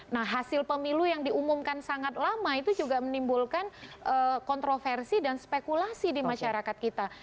nah hasil pemilu yang diumumkan sangat lama itu juga menimbulkan kontroversi dan spekulasi di masyarakat kita